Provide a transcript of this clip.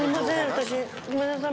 私ごめんなさい